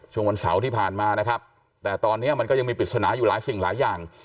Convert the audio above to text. วันเสาร์ที่ผ่านมานะครับแต่ตอนนี้มันก็ยังมีปริศนาอยู่หลายสิ่งหลายอย่าง